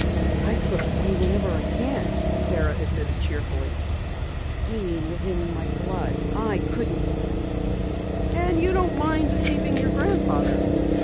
I slip away whenever I can," Sara admitted cheerfully. "Skiing is in my blood. I couldn't give it up." "And you don't mind deceiving your grandfather?"